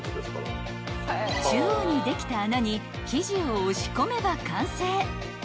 ［中央にできた穴に生地を押し込めば完成］